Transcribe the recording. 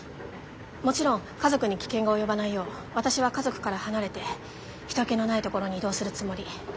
もちろん家族に危険が及ばないよう私は家族から離れて人けのないところに移動するつもり。